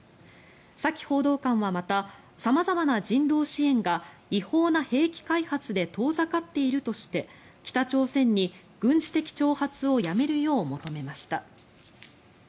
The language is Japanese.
サキ報道官はまた様々な人道支援が違法な兵器開発で遠ざかっているとして北朝鮮に軍事的挑発をやめるよう求めました。